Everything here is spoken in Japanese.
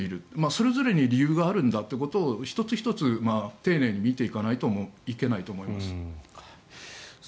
それぞれに理由があるんだということを１つ１つ丁寧に見ていかないといけないと思います。